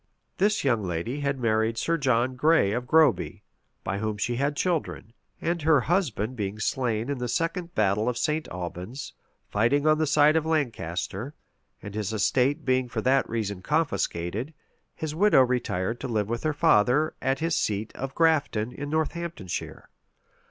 This young lady had married Sir John Gray of Groby, by whom she had children; and her husband being slain in the second battle of St. Albans, fighting on the side of Lancaster, and his estate being for that reason confiscated, his widow retired to live with her father, at his seat of Grafton, in Northamptonshire.